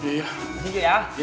terima kasih ya